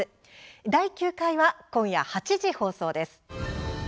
第９回は今夜８時放送です。